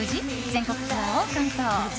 全国ツアーを完走。